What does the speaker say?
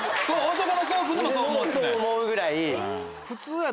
そう思うぐらい。